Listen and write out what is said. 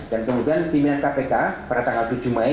dan kemudian pimpinan kpk pada tanggal tujuh mei